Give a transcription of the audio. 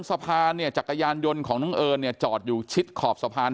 สะพานเนี่ยจักรยานยนต์ของน้องเอิญเนี่ยจอดอยู่ชิดขอบสะพาน